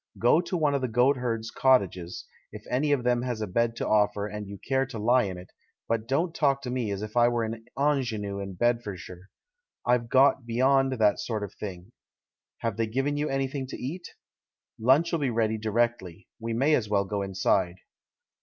Go to one of the goatherds' cottages, if any of them has a bed to offer and you care to lie in it, but don't talk to me as if I were an ingenue in Bedfordshire — I've got beyond that sort of thing. Have they given you anything to eat? Lunch'll be ready directly — we may as well go inside."